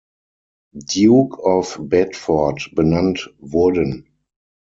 Duke of Bedford benannt wurden.